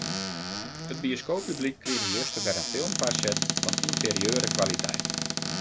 It bioskooppublyk krige juster wer in film foarset fan ynferieure kwaliteit.